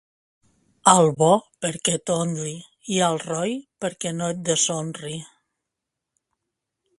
Al bo perquè t'honri i al roí perquè no et deshonri.